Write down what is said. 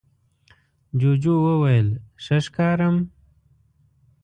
جوجو وویل ښه ښکارم؟